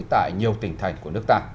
tại nhiều tỉnh thành của nước ta